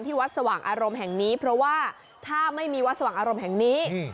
วัดสว่างอารมณ์แห่งนี้เพราะว่าถ้าไม่มีวัดสว่างอารมณ์แห่งนี้